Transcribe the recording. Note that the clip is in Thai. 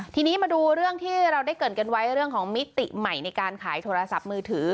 ทีนี้มาดูเรื่องที่เราได้เกิดกันไว้เรื่องของมิติใหม่ในการขายโทรศัพท์มือถือ